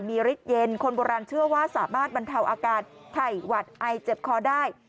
มีฤทธิเย็นคนโบราณเชื่อว่าสามารถบรรเทาอาการไข้หวัดไอเจ็บคอได้